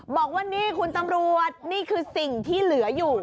บอกว่านี่คุณตำรวจนี่คือสิ่งที่เหลืออยู่